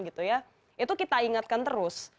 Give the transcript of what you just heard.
itu kita ingatkan terus